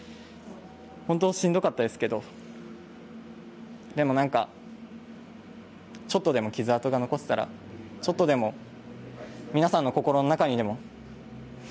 本当、しんどかったですけどでも、なんかちょっとでも傷痕が残せたらちょっとでも皆さんの心の中にでも。